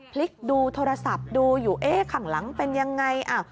พลิกดูโทรศัพท์ดูอยู่เอ๊ะข้างหลังเป็นยังไง